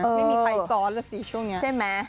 ไม่มีใครซ้อนแล้วสิช่วงนี้ใช่ไหม